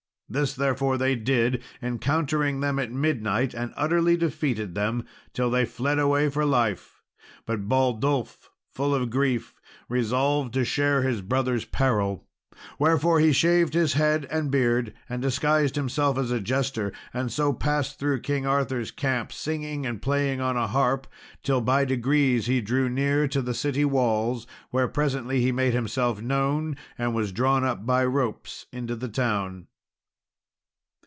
This therefore they did, encountering them at midnight, and utterly defeated them, till they fled away for life. But Baldulph, full of grief, resolved to share his brother's peril; wherefore he shaved his head and beard, and disguised himself as a jester, and so passed through King Arthur's camp, singing and playing on a harp, till by degrees he drew near to the city walls, where presently he made himself known, and was drawn up by ropes into the town.